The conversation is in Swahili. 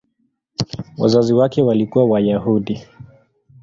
Wazazi wake walikuwa Wayahudi.